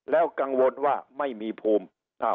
แล้วกังวลว่าไม่มีภูมิ